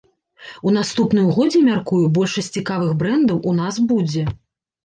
У наступным годзе, мяркую, большасць цікавых брэндаў у нас будзе.